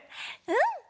うん！